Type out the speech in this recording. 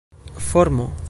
formo